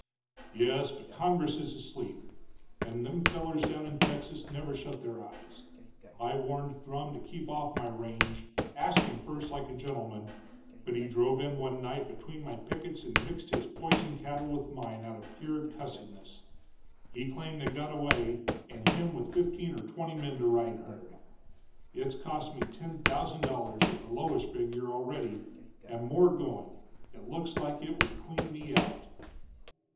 "Yes, but Congress is asleep, and them fellers down in Texas never shut their eyes. I warned Drumm to keep off my range, asked him first like a gentleman, but he drove in one night between my pickets and mixed his poison cattle with mine out of pure cussidness. He claimed they got away, and him with fifteen or twenty men to ride herd! It's cost me ten thousand dollars, at the lowest figure, already, and more goin'. It looks like it would clean me out."